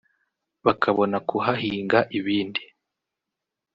bakabona kuhahinga ibindi